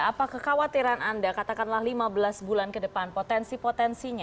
apa kekhawatiran anda katakanlah lima belas bulan ke depan potensi potensinya